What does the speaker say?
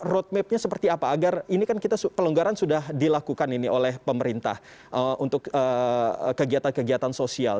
roadmapnya seperti apa agar ini kan kita pelonggaran sudah dilakukan ini oleh pemerintah untuk kegiatan kegiatan sosial